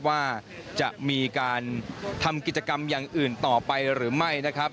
ว่าจะมีการทำกิจกรรมอย่างอื่นต่อไปหรือไม่นะครับ